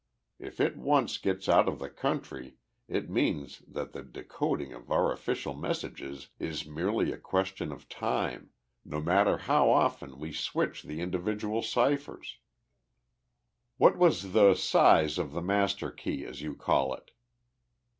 If it once gets out of the country it means that the decoding of our official messages is merely a question of time, no matter how often we switch the individual ciphers." "What was the size of the master key, as you call it?"